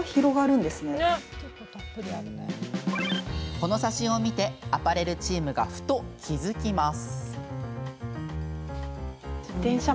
この写真を見てアパレルチームがふと気付きます。